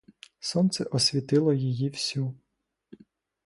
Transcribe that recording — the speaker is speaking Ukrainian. Сонце освітило її всю.